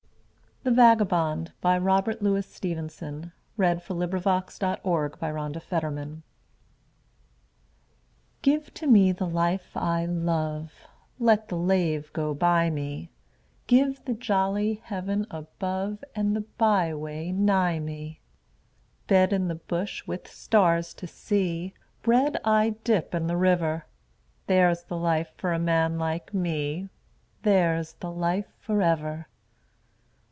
Other Verses by Robert Louis Stevenson ITHE VAGABOND (To an air of Schubert) GIVE to me the life I love, Let the lave go by me, Give the jolly heaven above And the byway nigh me. Bed in the bush with stars to see, Bread I dip in the river There's the life for a man like me, There's the life for ever.